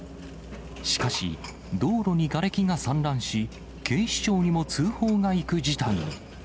しかし、道路にがれきが散乱し、警視庁にも通報が行く事態に。